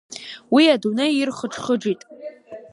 Уи адунеи ирхыџхыџит.